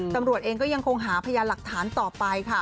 ตำรวจเองก็ยังคงหาพยานหลักฐานต่อไปค่ะ